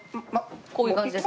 こういう感じですか？